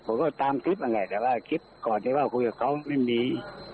ว่าตามคลิปนั่นแหละแต่ว่าคลิปก่อนที่ว่าคุยกับเขาไม่มี